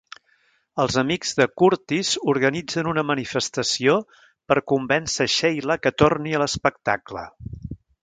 Els amics de Curtis organitzen una manifestació per convèncer Sheila què torni a l'espectacle.